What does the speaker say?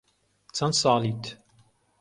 چەند ساڵیت؟